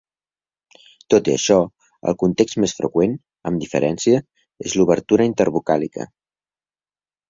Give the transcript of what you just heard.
Tot i això, el context més freqüent, amb diferència, és l'obertura intervocàlica.